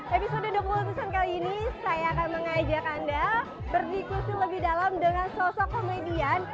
episode dua puluh persen kali ini saya akan mengajak anda berdiskusi lebih dalam dengan sosok komedian